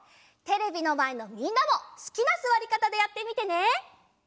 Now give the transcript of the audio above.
テレビのまえのみんなもすきなすわりかたでやってみてね！